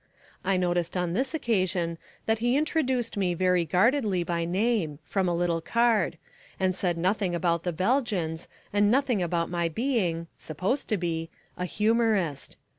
I noticed on this occasion that he introduced me very guardedly by name (from a little card) and said nothing about the Belgians, and nothing about my being (supposed to be) a humourist.